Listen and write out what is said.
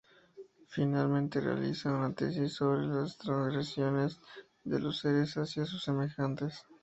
Finalmente realiza una tesis sobre las transgresiones de los seres hacia sus semejantes.